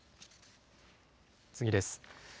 次です。